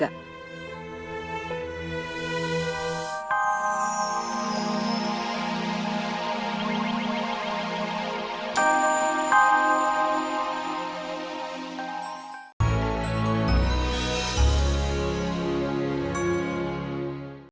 malah dia makan uangnya warga